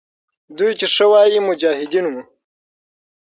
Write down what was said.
دوی چې ښه وایي، مجاهدین وو.